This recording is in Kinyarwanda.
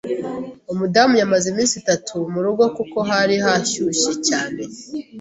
Umudamu yamaze iminsi itanu murugo kuko hari hashyushye cyane.